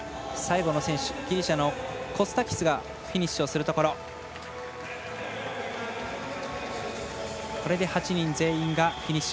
そして最後の選手、ギリシャのコスタキスがフィニッシュ。